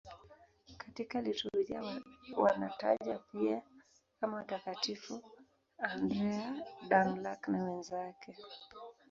Katika liturujia wanatajwa pia kama Watakatifu Andrea Dũng-Lạc na wenzake.